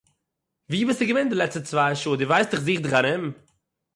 ווי ביסטו געווען די לעצטע צוויי שעה? דו ווייסט איך זוך דיך ארום?